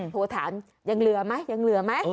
โทรถามยังเหลือไหมยังเหลือไหม